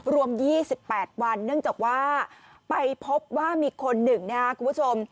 รวม๒๘วันเนื่องจากว่าไปพบว่ามีคนหนึ่งนะครับคุณผู้ชม